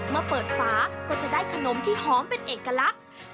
เมื่อเปิดฝาก็จได้ขนมที่หอมเป็นเอกลักษณ์